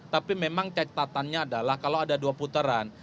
tapi memang cek tatannya adalah kalau ada dua putaran